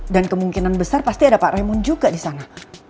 dan kemungkinan besar pasti ada pak raymond juga disana